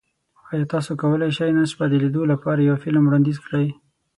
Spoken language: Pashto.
ایا تاسو کولی شئ نن شپه د لیدو لپاره یو فلم وړاندیز کړئ؟